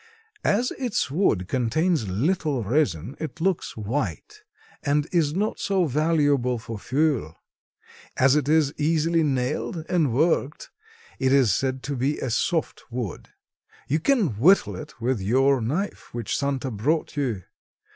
As its wood contains little resin it looks white, and is not so valuable for fuel. As it is easily nailed and worked, it is said to be a soft wood. You can whittle it with your knife which Santa brought you.